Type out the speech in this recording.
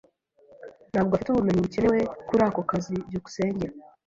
Ntabwo afite ubumenyi bukenewe kuri ako kazi. byukusenge